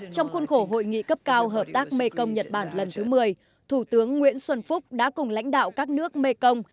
trong khuôn khổ hội nghị cấp cao hợp tác mekong nhật bản lần thứ một mươi thủ tướng nguyễn xuân phúc đã cùng lãnh đạo các nước mekong